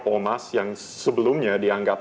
omas yang sebelumnya dianggap